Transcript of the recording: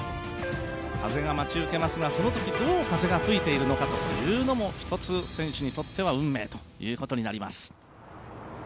風が待ち受けますが、そのときどう風が吹いているのかというのも１つ、選手にとっては運命ということになります。